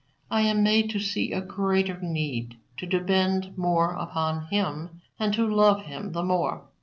I am made to see a greater need to depend more upon Him and to love Him the more.